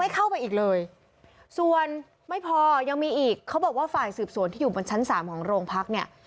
เข้าไปอีกเลยส่วนไม่พอยังมีอีกเขาบอกว่าฝ่ายสืบสวนที่อยู่บนชั้น๓ของโรงพักเนี่ย